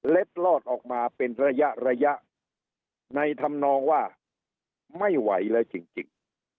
เล็ดลอดออกมาเป็นระยะระยะในทำนองว่าไม่ไหวแล้วจริงจริง